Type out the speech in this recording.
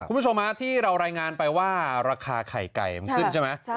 คุณผู้ชมที่เรารายงานไปว่าราคาไข่ไก่มันขึ้นใช่ไหม